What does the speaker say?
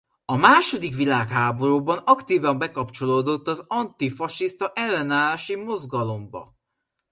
A második világháborúban aktívan bekapcsolódott az antifasiszta ellenállási mozgalomba.